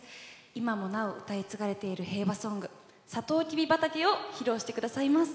今もなお歌い継がれているへいわソング「さとうきび畑」を披露して下さいます。